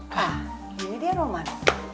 hah ini dia roman